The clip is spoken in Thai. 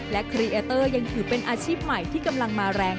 และครีเอเตอร์ยังถือเป็นอาชีพใหม่ที่กำลังมาแรง